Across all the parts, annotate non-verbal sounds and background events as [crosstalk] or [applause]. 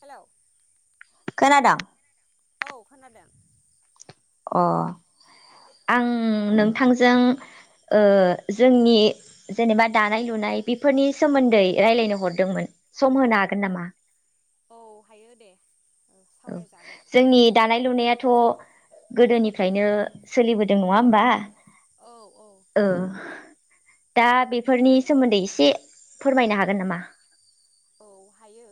Hello [inaudible] खोनादों? औ खोनादों। [inaudible] अ आं नोंथांजों ओ जोंनि जेनेबा दानाय लुनाय बेफोरनि सोमोन्दै रायलायनो हरदोंमोन सम होनो हागोन नामा? औ हायो दे। औ सावरायजागोन जोंनि दानाय लुनायाथ गोदोनिफ्रायनो सोलिबोदों नङा होमबा औ औ दा बेफोरनि सोमोन्दै एसे फोरमायनो हागोन नामा? औ हायो।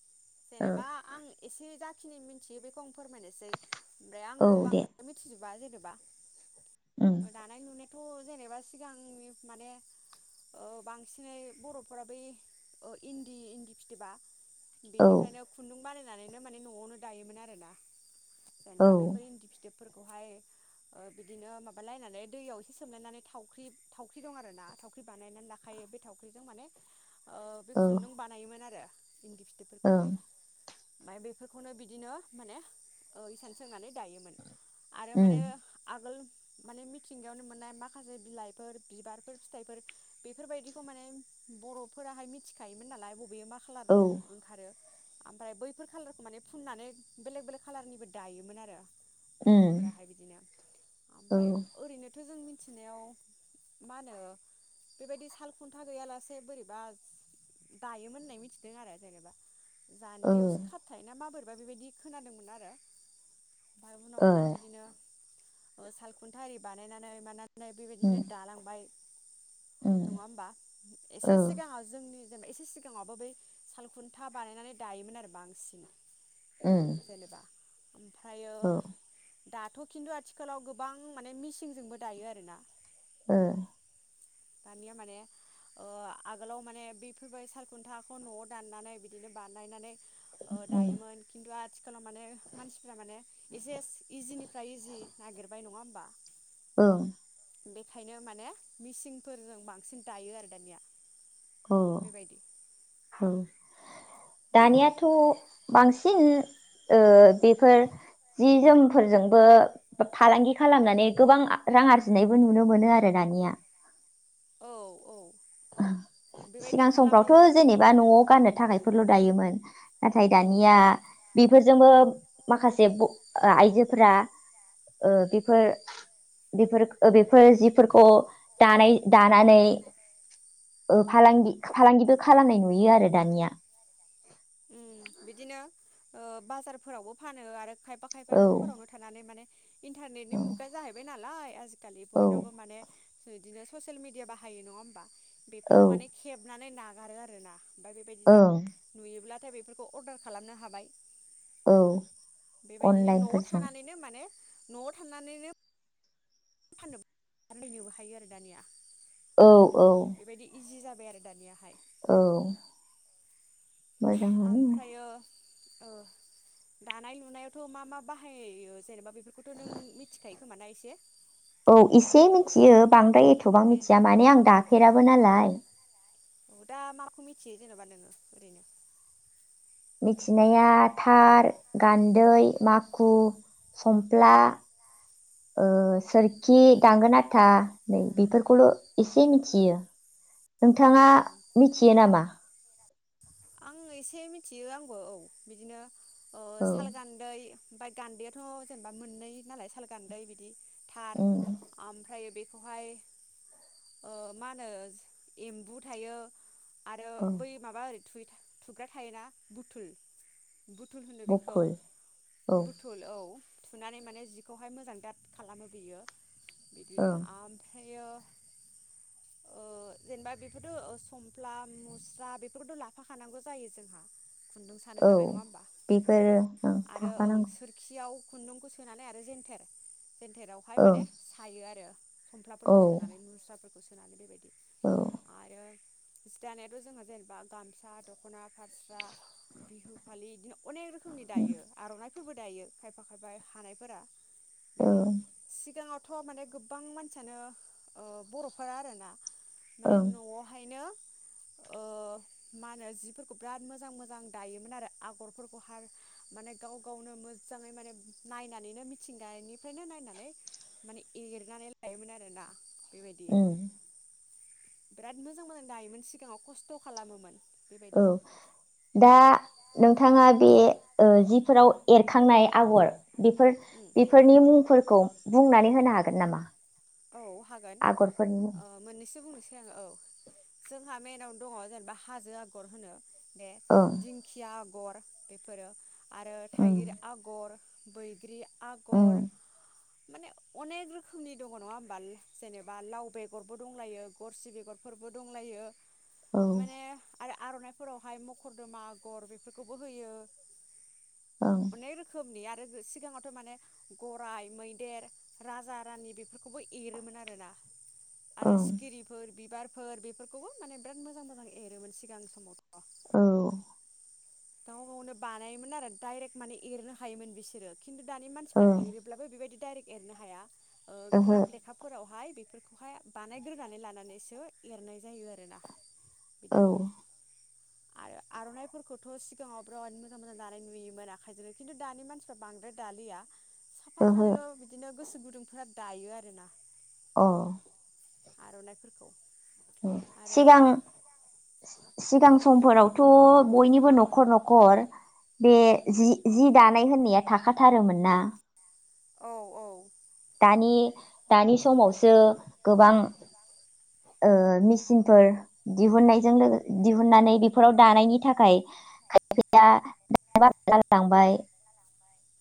[inaudible] औ जेनेबा आं एसे जा बेखिनि मिथियो बेखौ आं फोरमायनोसै। [inaudible] ओमफ्राय औ आंबो दे बांद्राय मिथिजोबा जेनेबा उम बा [inaudible] दानाय लुनाय [inaudible] थ' जेनेबा सिगांनि माने बांसिनै बरफोरा बै इन्दि इन्दि फिथोबा। औ बेनिफ्रायनो खुन्दुं बानाय होननानैनो माने नआवनो दायोमोन आरोना। औ जेनेबा बेफोर इन्दि फिथोब फोरखौहाय बिदिनो माबालायनानै दैयाव एसे सोमलायनानै थावख्रि थावख्रि दं आरोना थावख्रि बानायनानै लाखायो बे थावख्रिजों माने बे औ खुन्दुं बानायोमोन आरो। इन्दि ओं फिथोबफोरखौहाय [inaudible] ओमफ्राय बेफोरखौनो बिदिनो माने ओ इसान सोंनानै दायोमोन। आरो उम माने आगोल माने मिथिंगायावनो मोननाय माखासे बिलाइफोर बिबारफोर फिथाइफोर बेफोरबायदिखौ माने बर'फोराहाय मिथि खा‌योमोन नालाय बेयो मा खालार औ ओंखारो ओमफ्राय बैफोर खाालारखौ माने फुननानै बेलेग बेलेग खाालारनिबो दायोमोन आरो उम बर'फोराहाय बिदिनो औ ओमफ्राय ओरैनोथ जों मि थिनायाव मा होनो बेबायदि साल खुन्था गैयालासे बोरैबा दायोमोन होननाय मिथिदों आरो जेनेबा ओ जानजियावसो खाबथायो ना माबोरै बा बेबायदि खोनादोंमोन आरो बाय ओ उनावहायथ बिदिनो ओ सालखुन्था आरि बानायनानै मा नाय उम बेबायदिनो दालांबाय उम नङा होमबा औ एसे सिगाङाव जोंनि जेनेबा एसे सिगाङावबो बै सालखुन्था बानायनानै दायोमोन आरो बांसिन उम जेनेबा ओमफ्राय औ दाथ' खिन्थु आथिखालाव गोबां माने मिसिंजोंबो दायो आरोना ओ दानिया माने ओ आगोलाव माने बे फैबाय सालखुन्थाखौ न'आव दाननानै बिदिनो बानायनानै ओ उम दायोमोन खिन्थु आथिखालाव माने मानसि फोरा माने एसे इजिनिफ्राय इजि नागिरबाय नङा होमबा औ बेखायनो माने मिसिंफोरजों बांसिन दायो आरो दानिया औ बेबायदि औ दानियाथ' बांसिन ओ बेफोर जि जोमफोरजोंबो फालांगि खालामनानै गोबां रां आरजिनायबो नुनो मोनो आरो दानिया औ औ बेबायदि सिगां खालामो समफ्रावथ' जेनेबा न'आव गाननो थाखायफोरल' दायोमोन नाथाय औ दानिया बेफोरजोंबो माखासे ब आइजोफोरा ओ बेफोर बेफोर बेफोर जिफोरखौ दानाय दानानै ओ फालांगि फालांगिबो खालामनाय नुयो आरो दानिया उम बिदिनो ओ बाजारफोरावबो फानो आरो खायबा खायबा औ न'फोरावनो थानानै माने इन्टारनेटनि औ मुगा जाहैबाय नालाय दालि औ बयनावबो माने इदिनो ससियेल मिडिया बाहायो नङा ओमबा। औ बेफोरखौ माने खेबनानै ना गारो आरोना। ओमफाय बेबायदिनो ओं नुयोब्ला नाथाय बेफोरखौ अर्डार खालामनो हाबाय। औ बेबायदिनो न'आव अनलाइनफोरजों थानानैनो माने न'आव थांनानैनो फाननोबो [unintelligible] हायो आरो दानिया। औ। औ बेबायदि इजि जाब बाय आरो दानियाहाय। औ। मोजां मोनो। ओमफ्रायो ओ दानाय लुनायावथ' मा मा बाहायो जेनेबा बेफोरखौथ' नों मिथिखायो खोमा ना एसे। औ एसे मिथियो बांद द्राय एथ'बां दे मिथिया औ माने आं दाफेराबो नालाय। दा माखौ मिथियो जेन'बा नोङो ओरैनो। मिथिनाया थार, गान्दै, माखु, समफ्ला ओ सोरखि, दांगोन आथा नै बेफोरखौल' एसे मिथियो। औ नोंथाङा मिथियो नामा? आं एसे मिथियो आंबो औ बिदिनो अ औ साल, गान्दै ओमफाय गान्दैआथ' जेनेबा मोननै नालाय साल गान्दै बिदि। थार उम आमफ्रायो बे खौहाय ओ मा होनो एम्बु थायो। आरो औ बै माबा आरै थुग्रा थायोना बुथुल बुथुल होनो बेखौ बखुल औ बुथुल औ। थुनानै माने जिखौहाय मोजां दाद खालामो बियो। बिदि ओं आमफ्राय बेयो ओ जेनेबा बेफोरो समफ्ला मुस्रा बेफोरखौथ' ला फाखानांगौ जायो जोंहा। खुन्दुं सानो औ थाखाय नङा ओमबा बेफोरो बेबायदि ओं आरो ओं थाफानांगौ सोरखियाव खुन्दुंखौ सोनानै आरो जेेनथेर जेेनथेरावहाय ओं माने सायो आरो औ समफ्लाफोरखौ सोनानै मुस्राफोरखौ सो नानै बेबायदि औ। आरो जि दानायाथ' जोंहा जेनेबा गाम सा, दख'ना, फास्रा, बिहु फालि बिदिनो अनेक रोखोमनि दायो आर'नाइ फोरबो दायो खायफा खायफा हानायफोरा। बिदि ओं सिगाङाव थ' माने गोबां मानसियानो ओ बर'फोरा आरोना माने ओं न'आवहायनो ओ मानो जिफोरखौ बिराद मोजां मोजां दायोमोन आरो आगरफोरखौ हार माने गाव गावनो मोजाङै माने नायनानैनो मिथिंगानिफ्रायनो नायनानै माने एरनानै लायोमोन आरोना। बेबायदि उम बिराद मोजां मोजां दायोमोन सिगाङाव खस्थ' खालामो मोन। औ दा नोंथां थाङा बे जिफोराव एरखांनाय आगर बेफोर उम बेफोरनि मुंफोर खौ बुंनानै होनो हागोन नामा? औ हागोन आगरफोरनि मुं ओ मोननैसो बुंनोसै आङो औ। जोंहा मेइनाव दं जेनेबा हाजो आगर बे ओं दिंखिया आग गर बेफोरो। आरो उम थाइगिर आगर बैग्रि आगर उम माने अनेक रोखोमनि दं दङ' नङा होमबा जेनेबा लाव बेगरबो दंलायो गरसि बेगरफोरबो दंलायो औ माने आरो आर'नाइफोरावहाय मखरदोमा आगर बेफोरखौबो होयो। ओं अनेक रोखोमनि आरो सिगाङावथ' माने गराय, मैदेर, राजा, रानि बेफोरखौबो एरोमोन आरो ना। आरो ओं सिखिरिफोर बिबार फोर बेफोरखौबो माने बिराद मोजां मोजां एरोमोन सिगां समावथ'। औ गाव गावनो बानायोमोन आरो डायरेक्ट माने एरनो हायोमोन बिसोरो। खिन्थु दानि मानसिफ्रा ओं एरोब्लाबो बेबायदि दाइरेक्ट एरनो हाया ओ ओहो ग्राब लेखाफोरावहाय बे बेफोरखौहाय बानायग्रोनानै लानानैसो एरनाय जायो आरोना। बिदि औ आरो आर'नायफोरखौ थ' सिगाङाव बिराद मोजां मोजां दानाय नुयोमोन आखाइजोंनो खिन्थु दानि मानसिफ्रा बांद्राय दालिया साफा ओहो सानैल' बिदिनो गोसो गुदुंफोरा दायो आरोना औ आर'नाइफोरखौ अ आरो सिगां सिगां औ समफोरावथ' बयनिबो न'खर नखर न'खर बे जि-जि दानाय होननाया थाखाथारोमोन ना औ दानि-दानि समावसो गोबां ओ मेचिनफोर दिहुननायजों लो दिहुननानै बेफोराव दानायनि थाखाय खायफाया दानो बाग्रा जालांबाय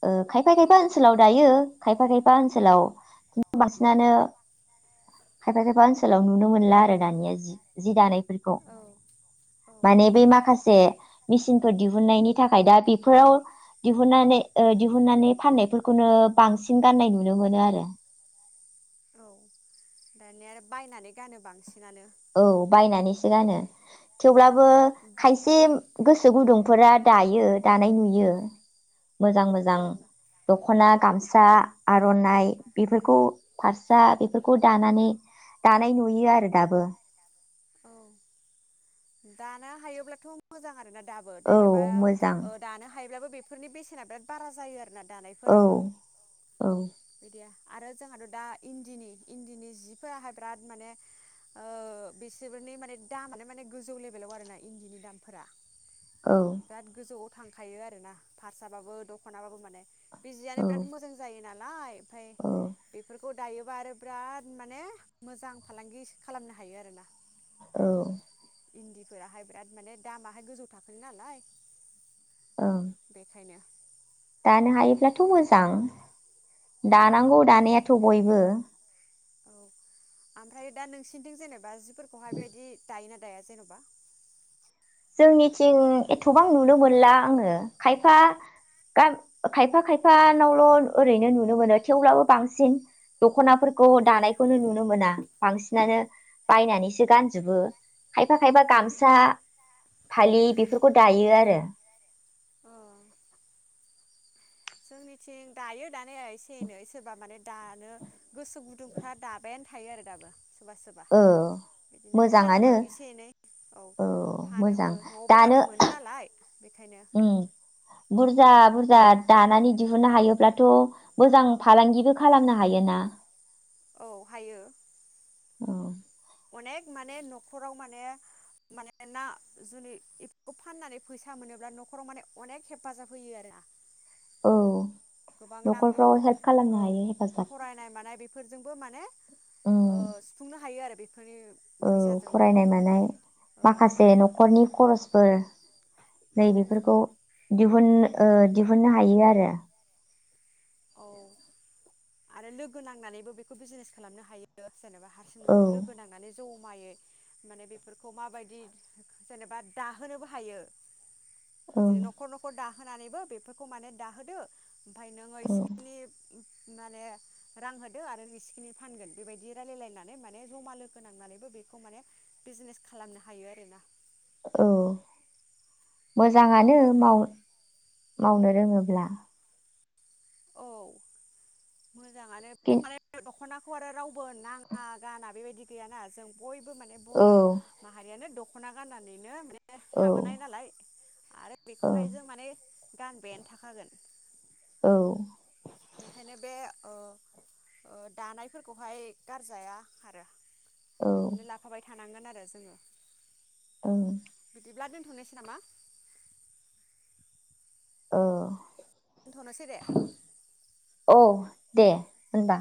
ओ खायफा खायफा औ ओनसोलाव दायो खायफा खायफा ओनसोलाव खिन्थु बांसिनानो खायफा खायफा ओनसोलाव नुनो मोनला आरो दानिया जि जि दानायफोरखौ औ माने बै माखासे मेचिनफोर दिहुननायनि थाखाय दा बेफोराव दिहुननानै ओ दिहुुननानै फाननायफोरखौनो बांसिन गाननाय नुनो मोनो आरो दानि आरो बायनानै गानो बांसिन औ बायनानैसो गानो औ थेवब्लाबो खायसे गोसो गुदुं फोरा दायो दानाय नुयो मोजां मोजां दख'ना गामसा सा आर'नाइ बेफोरखौ फास्रा बेफोरखौ दानानै दानाय नुयो आरो दाबो औ दानो हायोब्लाथ' मोजां आरोना दाबो औ जेनेबा मोजां ओ दानो हायो बो बेफोरनि बेसेना बिराद बारा जायो आरोना औ दानायफोराबो औ बिदिया आरो जोंहाथ' दा इन्दिनि इन्दिनि सिफोराहाय बिराद माने बिसोरनि माने दामानो माने गोजौ लेभेलाव आरो ना इन्दिनि दामफोरा औ बिराद गोजौआव थांखायो आरोना फारसा बाबो दख'नाबाबो माने बि जियानो औ बिराद मोजां जायो नालाय ओमफ्राय औ बेफोरखौ खौ दायोबा आरो बिराद माने मोजां फालांगि खालामनो हायो आरोना औ इन्दिफोराहाय बिराद माने दामाहाय गोजौ थाखोनि नालाय ओं बेखायनो दानो हायोब्लाथ' मोजां औ दानांगौ दानायाथ' बयबो [unintelligible] औ आमफ्राय दा नोंसिनिथिं जेनेबा फोरखौहाय बेबायदि दायोना दाया जेन'बा जोंनिथिं एथ'बां नुनो मोनला आङो खायफा खायफा खायफानावल' ओरैनो नुनो मोनो थेवब्लाबो बांसिन दख'नाफोरखौ दानायखौनो नुनो मोना बांसिनानो बायनानैसो गानजोबो खायफा खायफा गामसा फालि बेफोरखौ दायो आरो। अ जोंनिथिं दायो दानाया एसे एनै सोरबा माने दानो गोसो गुदुंफ्रा दाबायानो थायो आरो दाबो सोरबा सोरबा औ बिदिनो फानोबो मोजाङानो एसे एनै औ फानोबो न'आवबो गाननो मोनो नालाय। बेखायनो उ बुरजा बुरजा जा दानानै दिहुननो हायोब्लाथ' मोजां फालांगिबो खालामनो हायो ना। औ हायो। औ। अनेक माने न'खराव माने माने ना जुनि बेफोरखौ फाननानै फैसा मोनोब्ला न'खराव माने अनेक हेफाजाब होयो आरो ना? औ नांगौ न'खरफ्राव हेल्प खालामनो हायो हेफाजाब फोरजोंबो माने उम सुफुंनो हायो आरो। बेफोरनि औ फैसाजोंबो फरायनाय मानाय ओं माखासे न'खरनि खरसफोर। औ नैबेफोरखौ दिहुन ओ दिहुननो हायो आरो। औ [inaudible] आरो लोगो नांनानैबो बेखौ बिजिनेस खालामनो हायो। जेनेबा हारसिं औ नआव लोगो नांनानै [inaudible] जमायै माने बेफोरखौ माबायदि जेनेबा दाहोनोबो हायो। [inaudible] औ बिदिनो न'खर न'खर दाह होनानैबो बेफोरखौ माने दाहोदो। ओमफाय नों ओइस औ ओ माने रां होदो आरो इसेखिनि फानगोन बेबायदि रायलायलायनानै माने जमा लोगो नांनानैबो बेखौ माने बिजनेस खालामनो हायो आरोना। औ मोजाङानो माव मावनो रोङोब्ला। औ। [inaudible] खिन फुवारो राव [inaudible] गुबोन नाङा गाना बेबायदि गैयाना जों बयबो माने बर' औ माहारियानो दख दख'ना गाननानैनो ए औ थाबोनाय नालाय। [inaudible] आरो औ बेखौहाय जों माने [inaudible] गानबायानो थाखागोन। औ। बेखायनो बे ओ - ओ दानायफोरखौहाय गारजाया आरो। औ बिदिनो लाफाबाय थानांगोन आ जोङो ओं बिदिब्ला दोन नोसै नामा? अ दोनथ'नोसै दे। औ दे होनबा।